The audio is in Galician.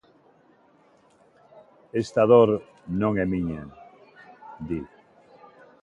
"Esta dor non é miña", di.